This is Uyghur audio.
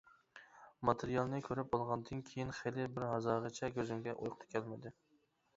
ماتېرىيالنى كۆرۈپ بولغاندىن كېيىن خېلى بىرھازاغىچە كۆزۈمگە ئۇيقۇ كەلمىدى.